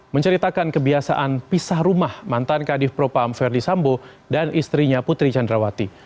menceritakan kebiasaan pisah rumah mantan kadif propam verdi sambo dan istrinya putri candrawati